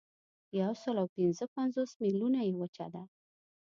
یوسلاوپینځهپنځوس میلیونه یې وچه ده.